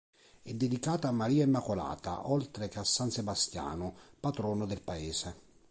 È dedicata a Maria Immacolata oltre che a san Sebastiano, patrono del paese.